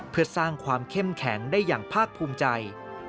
เพื่อสร้างความเข้มแข็งได้อย่างภาคภูมิใจ